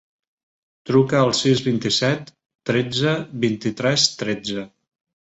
Truca al sis, vint-i-set, tretze, vint-i-tres, tretze.